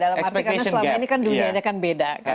ya culture shock dalam arti karena selama ini kan dunia kan beda